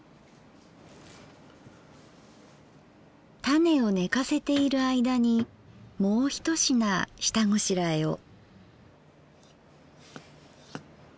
タネをねかせている間にもう一品下ごしらえを。